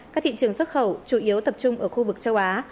các thị trường xuất khẩu chủ yếu tập trung ở khu vực châu á